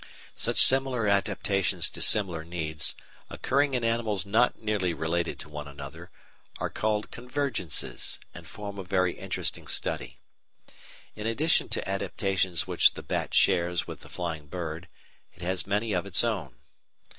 Such similar adaptations to similar needs, occurring in animals not nearly related to one another, are called "convergences," and form a very interesting study. In addition to adaptations which the bat shares with the flying bird, it has many of its own.